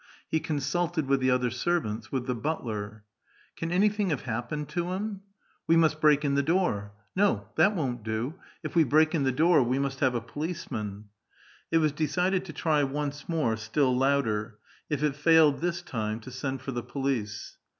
Ue consulted with the other servants, with the butler. " Can anything have happened to him?" " We must break in the door." " No, that won't do ! If we break in the door, we must have a policeman." It was decided to try once more, still louder ; if it failed this time, to send for the police.